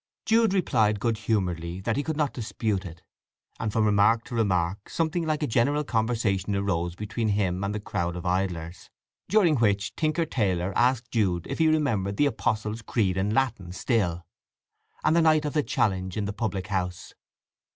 Jude replied good humouredly that he could not dispute it; and from remark to remark something like a general conversation arose between him and the crowd of idlers, during which Tinker Taylor asked Jude if he remembered the Apostles' Creed in Latin still, and the night of the challenge in the public house.